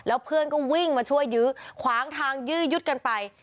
แล้วเพื่อนก็วิ่งมาช่วยยื้อคว้างทางยืดกันไป